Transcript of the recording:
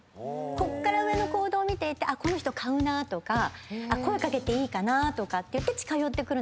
こっから上の行動を見ていてこの人買うなとか声掛けていいかな？とかって近寄ってくる。